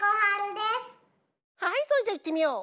はいそれじゃあいってみよう！